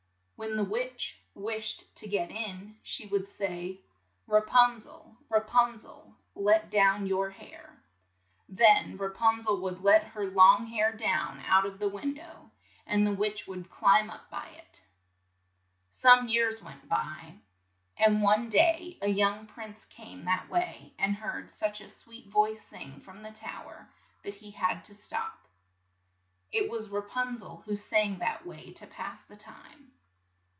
When the witch wished to get in, she would say, "Ra pun zel, Ra pun zel! let down your hair." Then Ra pun zel would let her long hair down out of the win dow, and the witch would climb up by it. Some years went by, and one day a young prince came that way, and heard such a sweet voice sing from the tow er that he had to stop. It was Ra pun zel, who sang that way to pass the time.